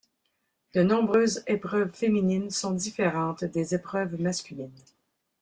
De nombreuses épreuves féminines sont différentes des épreuves masculines.